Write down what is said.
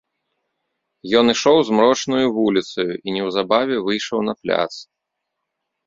Ён ішоў змрочнаю вуліцаю і неўзабаве выйшаў на пляц.